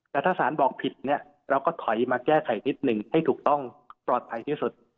แต่ถ้าสารบอกผิดเนี่ยเราก็ถอยมาแก้ไขนิดหนึ่งให้ถูกต้องปลอดภัยที่สุด